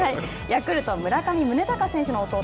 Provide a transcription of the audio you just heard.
ヤクルト村上宗隆選手の弟